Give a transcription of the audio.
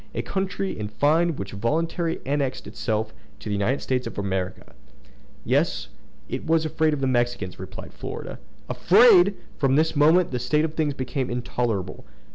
—a country, in fine, which voluntarily annexed itself to the United States of America!" "Yes; because it was afraid of the Mexicans!" replied Florida. "Afraid!" From this moment the state of things became intolerable.